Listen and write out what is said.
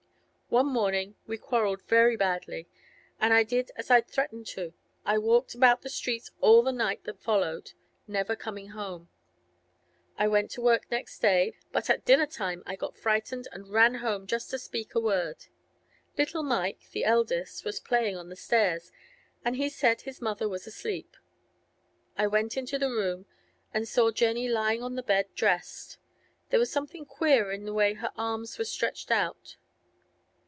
One morning we quarrelled very badly, and I did as I'd threatened to—I walked about the streets all the night that followed, never coming home. I went to work next day, but at dinner time I got frightened and ran home just to speak a word. Little Mike, the eldest, was playing on the stairs, and he said his mother was asleep. I went into the room, and saw Jenny lying on the bed dressed. There was something queer in the way her arms were stretched out.